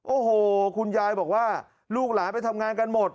โอ้โหคุณยายบอกว่าลูกหลานไปทำงานกันหมด